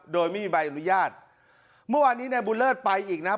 โดยไม่มีใบอนุญาตมาวันนี้เนี่ยบุลเลอร์ไปอีกน่ะ